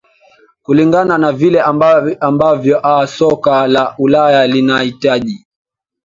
kulingana na vile ambavyo aa soko la ulaya linaitaji